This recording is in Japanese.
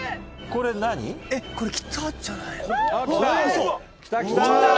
「これきたんじゃない？」